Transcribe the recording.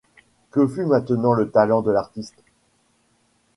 Que fut maintenant le talent de l'artiste ?